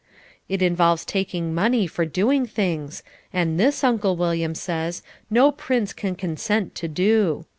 It involves taking money for doing things and this, Uncle William says, no prince can consent to do.